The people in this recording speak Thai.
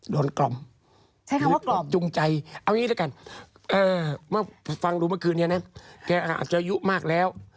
โดนกล่อมจุงใจเอาอย่างนี้ด้วยกันฟังดูเมื่อคืนนี้นะแกอาจอยู่มากแล้ว